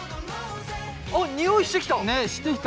あっ匂いしてきた！